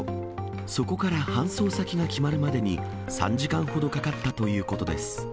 そこから搬送先が決まるまでに、３時間ほどかかったということです。